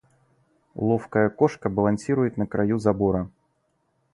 Ловкая кошка балансирует на краю забора.